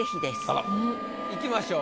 あら。いきましょう。